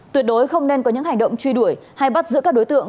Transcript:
tuyệt đối không nên có những hành động truy đuổi hay bắt giữ các đối tượng